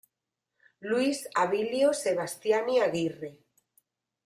Luis Abilio Sebastiani Aguirre.